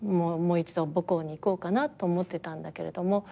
もう一度母校にいこうかなと思ってたんだけれども